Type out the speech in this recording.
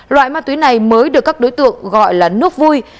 loại ma túy này mới được các đối tượng gọi là nước vui